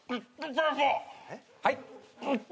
はい？